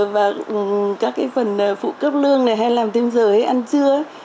và các cái phần phụ cấp lương này hay làm thêm giờ hay ăn trưa